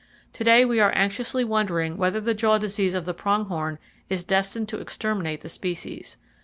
Today we are anxiously wondering whether the jaw disease of the prong horn is destined to exterminate the species.